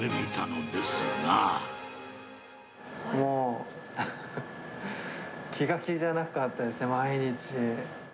もう、気が気じゃなかったですね、毎日。